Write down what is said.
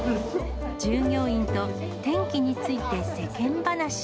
従業員と天気について世間話。